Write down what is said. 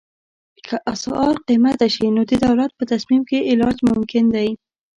که اسعار قیمته شي نو د دولت په تصمیم یې علاج ممکن دی.